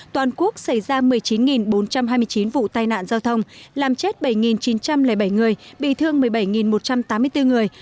toàn quốc xảy ra một mươi chín bốn trăm hai mươi chín vụ tai nạn giao thông làm chết bảy chín trăm linh bảy người bị thương một mươi bảy một trăm tám mươi bốn người